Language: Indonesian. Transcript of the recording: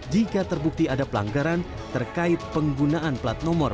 jika terbukti ada pelanggaran terkait penggunaan plat nomor